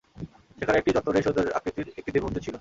সেখানে একটি চত্বরে সুন্দর আকৃতির একটি দেবীমূর্তি ছিল।